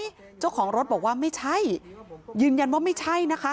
เจ้าของรถบอกว่าไม่ใช่ยืนยันว่าไม่ใช่นะคะ